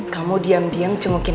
kamu diam diam cengukin